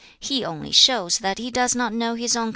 He only shows that he does not know his own capacity.